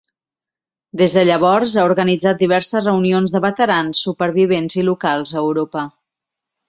Des de llavors, ha organitzat diverses reunions de veterans, supervivents i locals a Europa.